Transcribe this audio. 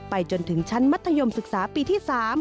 จนถึงชั้นมัธยมศึกษาปีที่๓